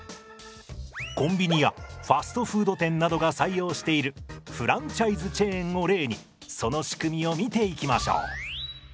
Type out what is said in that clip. コンビニやファストフード店などが採用しているフランチャイズチェーンを例にその仕組みを見ていきましょう。